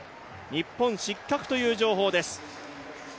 日本、失格という情報です。